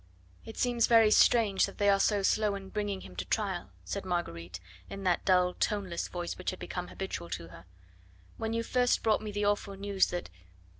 "It seems very strange that they are so slow in bringing him to trial," said Marguerite in that dull, toneless voice which had become habitual to her. "When you first brought me the awful news that...